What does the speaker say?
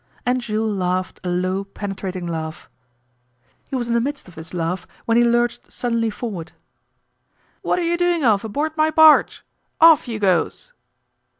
And Jules laughed a low, penetrating laugh. He was in the midst of this laugh when he lurched suddenly forward. 'What'r' you doing of aboard my barge? Off you goes!